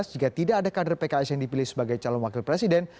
jika tidak ada kader pks yang dipilih sebagai calon wakil presiden